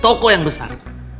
tokoh yang besar